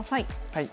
はい。